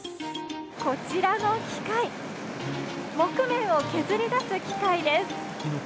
こちらの機械木毛を削り出す機械です。